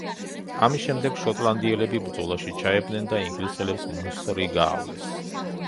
ამის შემდეგ შოტლანდიელები ბრძოლაში ჩაებნენ და ინგლისელებს მუსრი გაავლეს.